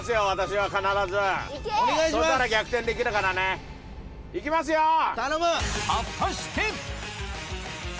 私は必ずそしたら逆転できるからねいきますよ